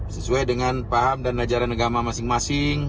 sesuai dengan paham dan ajaran agama masing masing